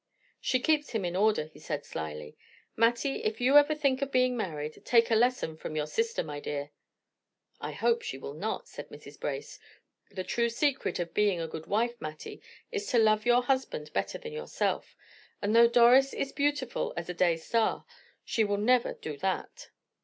"She keeps him in order," he said, slyly. "Mattie, if ever you think of being married, take a lesson from your sister, my dear." "I hope she will not," said Mrs. Brace. "The true secret of being a good wife, Mattie, is to love your husband better than yourself; and though Doris is beautiful as a day star, she will never do that."